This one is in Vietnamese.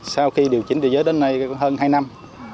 sau khi điều chỉnh thế giới đến nay có hơn hai năm